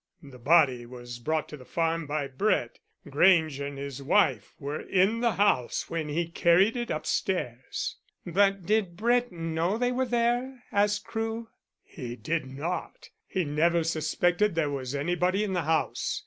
"The body was brought to the farm by Brett. Grange and his wife were in the house when he carried it upstairs." "But did Brett know they were there?" asked Crewe. "He did not; he never suspected there was anybody in the house.